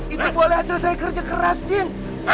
itu boleh hasil saya kerja keras jin